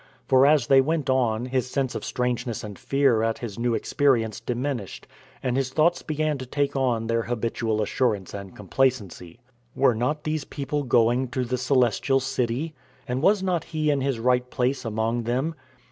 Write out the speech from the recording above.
For as they went on his sense of strangeness and fear at his new experience diminished, and his thoughts began to take on their habitual assurance and complacency. Were not these people going to the Celestial City? And was not he in his right place among them?